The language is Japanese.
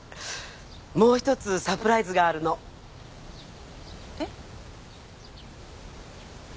もう１つサプライズがあるのえっ？